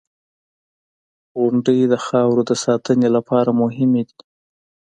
• غونډۍ د خاورو د ساتنې لپاره مهمې دي.